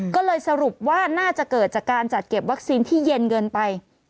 ก็เลยสรุปว่าน่าจะเกิดจากการจัดเก็บวัคซีนที่เย็นเกินไป